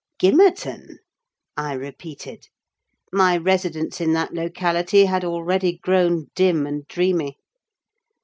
"Gimmerton?" I repeated—my residence in that locality had already grown dim and dreamy.